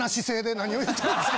何を言うてるんですか。